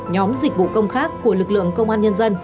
nhóm dịch vụ công khác của lực lượng công an nhân dân